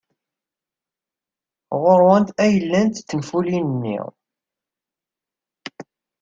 Ɣer-went ay llant tenfulin-nni?